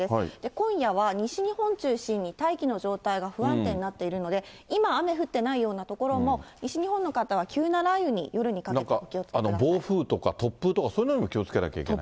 今夜は、西日本中心に大気の状態が不安定になっているので、今雨降っていないような所も、西日本の方は急な雷雨に、暴風とか突風とか、そういうのにも気をつけなきゃいけない？